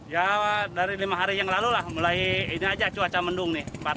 ya dari lima hari yang lalu lah mulai ini aja cuaca mendung nih